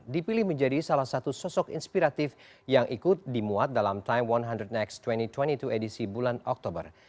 dipilih menjadi salah satu sosok inspiratif yang ikut dimuat dalam time seratus next dua ribu dua puluh dua edisi bulan oktober